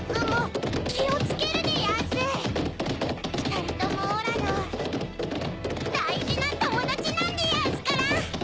２人ともおらの大事な友達なんでやんすから！